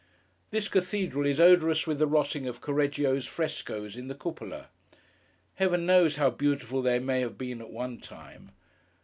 This cathedral is odorous with the rotting of Correggio's frescoes in the Cupola. Heaven knows how beautiful they may have been at one time.